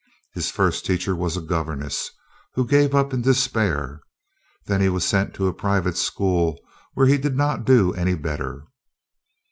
His first teacher was a governess, who gave him up in despair. Then he was sent to a private school where he did not do any better.